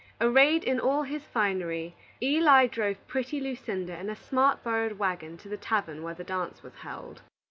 Arrayed in all his finery, Eli drove pretty Lucinda in a smart borrowed wagon to the tavern where the dance was held.